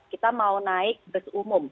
kita mau naik bus umum